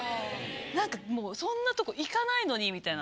なんかもうそんなとこ行かないのにみたいな。